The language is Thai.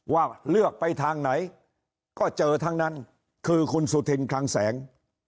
ว่าเลือกไปทางไหนก็เจอทั้งนั้นคือคุณสุธินคลังแสง